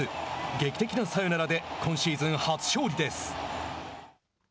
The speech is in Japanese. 劇的なサヨナラで今シーズン初勝利です。